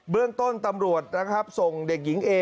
เรื่องต้นตำรวจนะครับส่งเด็กหญิงเอ